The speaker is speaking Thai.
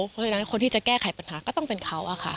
เพราะฉะนั้นคนที่จะแก้ไขปัญหาก็ต้องเป็นเขาอะค่ะ